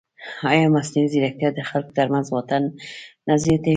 ایا مصنوعي ځیرکتیا د خلکو ترمنځ واټن نه زیاتوي؟